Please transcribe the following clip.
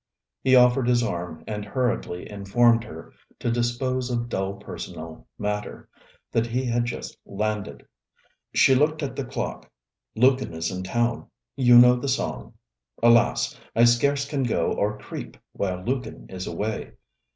He offered his arm and hurriedly informed her, to dispose of dull personal matter, that he had just landed. She looked at the clock. 'Lukin is in town. You know the song: "Alas, I scarce can go or creep While Lukin is away."